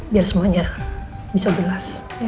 biar semuanya bisa jelas